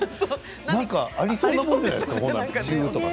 何かありそうじゃないですか。